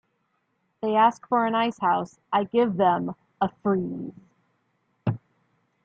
They ask for an Ice House, I give them- a Frieze.